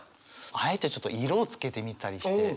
あえてちょっと色をつけてみたりして。